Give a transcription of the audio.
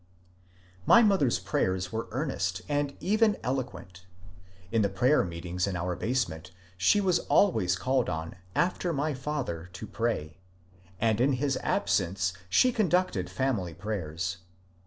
My mother's prayers were earnest and even eloquent. In the prayer meetings in our basement she was always called on after my father to pray, and in his absence she conducted family prayers.